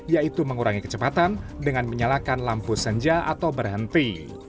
yaitu mengurangi kecepatan dengan menyalakan lampu senja atau berhenti